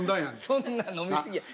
そんな飲み過ぎや。